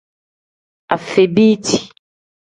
Afebiiti.